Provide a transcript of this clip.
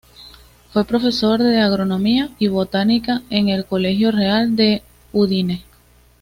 Fue profesor de Agronomía y Botánica en el Colegio Real de Udine.